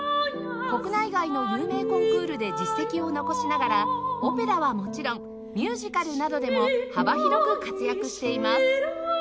国内外の有名コンクールで実績を残しながらオペラはもちろんミュージカルなどでも幅広く活躍しています